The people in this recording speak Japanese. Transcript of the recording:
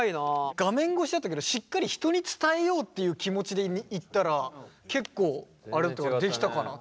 画面越しだったけどしっかり人に伝えようという気持ちで言ったら結構できたかな。